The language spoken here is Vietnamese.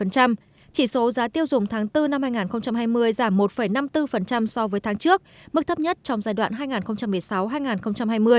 chỉ số giá tiêu dùng tháng bốn năm hai nghìn hai mươi giảm một năm mươi bốn so với tháng trước mức thấp nhất trong giai đoạn hai nghìn một mươi sáu hai nghìn hai mươi